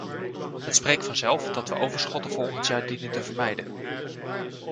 Het spreekt vanzelf dat we overschotten volgend jaar dienen te vermijden.